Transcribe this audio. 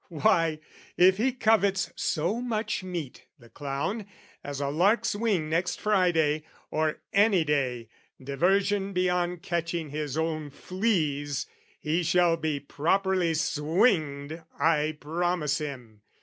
"Why, if he covets so much meat, the clown, "As a lark's wing next Friday, or, any day, "Diversion beyond catching his own fleas, "He shall be properly swinged, I promise him.